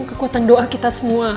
kekuatan doa kita semua